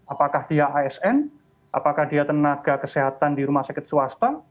apakah dia asn apakah dia tenaga kesehatan di rumah sakit swasta